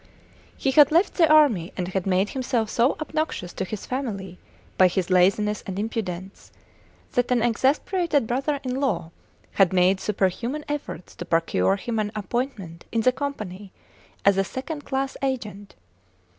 He had left the army and had made himself so obnoxious to his family by his laziness and impudence, that an exasperated brother in law had made superhuman efforts to procure him an appointment in the Company as a second class agent.